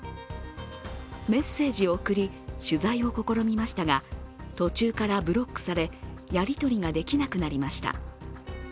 メッセージを送り、取材を試みましたが、途中からブロックされやり取りができなくなりました。